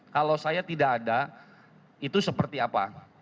kalau saya tidak ada itu seperti apa